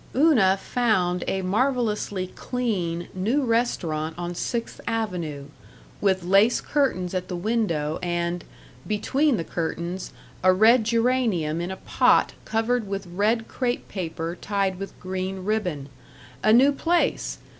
Una found a marvelously clean, new restaurant on Sixth Avenue, with lace curtains at the window and, between the curtains, a red geranium in a pot covered with red crêpe paper tied with green ribbon. A new place!